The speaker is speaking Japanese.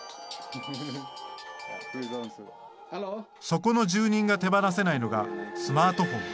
そこの住人が手放せないのがスマートフォン。